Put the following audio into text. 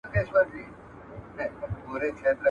افغانستان له نړیوالو اقتصادي فرصتونو څخه بشپړه ګټه نه اخلي.